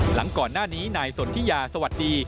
หลังก่อนหน้านี้นายสนทิยาสวัสดี